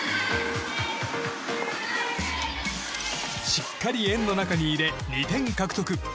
しっかり円の中に入れ２点獲得。